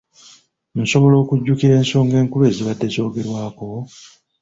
Nsobola okujjukira ensonga enkulu ezibadde zoogerwako?